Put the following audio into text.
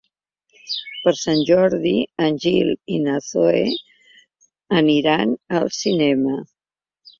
Per Sant Jordi en Gil i na Zoè aniran al cinema.